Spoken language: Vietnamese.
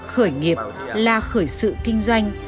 khởi nghiệp là khởi sự kinh doanh